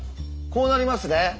こうなりますね。